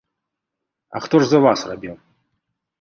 А хто ж за вас рабіў?